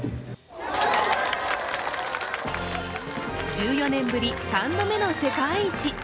１４年ぶり３度目の世界一。